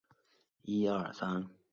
有子王尹和娶张云航之女为妻。